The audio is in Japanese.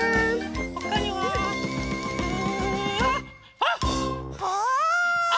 ほかにはあっ！